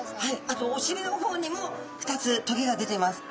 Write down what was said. あとおしりの方にも２つとげが出てます。